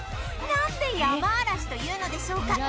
なんでヤマアラシというのでしょうか